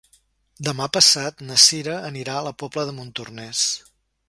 Demà passat na Cira anirà a la Pobla de Montornès.